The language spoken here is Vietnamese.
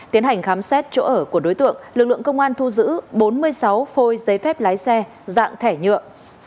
tiến hành khám xét chỗ ở của đối tượng lực lượng công an thu giữ bốn mươi sáu phôi giấy phép lái xe dạng thẻ nhựa